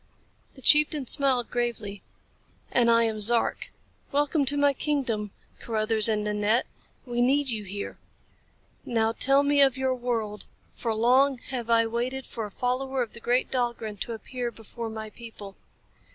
The chieftain smiled gravely. "And I am Zark. Welcome to my kingdom, Carruthers and Nanette. We need you here. Now tell me of your world, for long have I waited for a follower of the great Dahlgren to appear before my people."